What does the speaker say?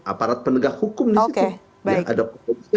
aparat penegak hukum disitu